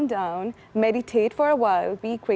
bermeditasi selama sementara